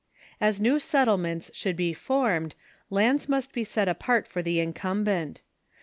As new settlements should be formed, lands must be set apart for the incumbent.